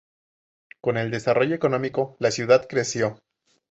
Con el desarrollo económico, la ciudad creció.